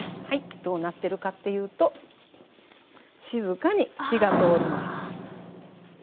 はいどうなってるかっていうと静かに火が通ります。